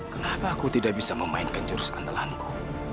kenapa aku tidak bisa memainkan jurus andalanku